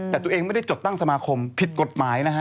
แต่ตัวเองไม่ได้จดตั้งสมาคมผิดกฎหมายนะฮะ